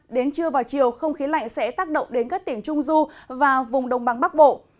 đến trưa vào chiều không khí lạnh sẽ tác động đến các tỉnh trung du và vùng đông băng bắc bộ